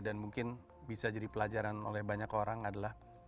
dan mungkin bisa jadi pelajaran oleh banyak orang adalah